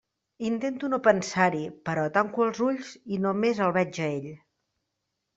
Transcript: Intento no pensar-hi, però tanco els ulls i només el veig a ell.